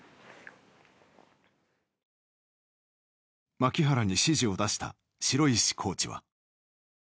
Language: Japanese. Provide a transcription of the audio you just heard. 牧原に指示を出した城石コーチは。